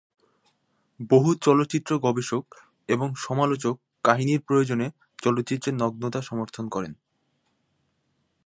বহু চলচ্চিত্র গবেষক এবং সমালোচক কাহিনীর প্রয়োজনে চলচ্চিত্রে নগ্নতা সমর্থন করেন।